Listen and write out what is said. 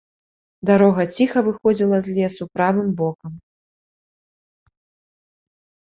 Дарога ціха выходзіла з лесу правым бокам.